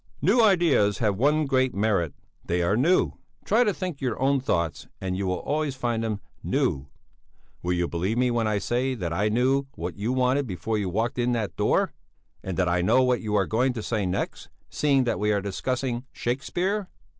"New ideas have one great merit they are new! Try to think your own thoughts and you will always find them new! Will you believe me when I say that I knew what you wanted before you walked in at that door? And that I know what you are going to say next, seeing that we are discussing Shakespeare?"